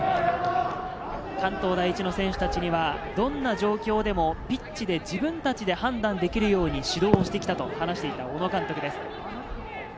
関東第一の選手達にはどんな状況でもピッチで自分たちで判断できるように指導してきたと話していた小野監督です。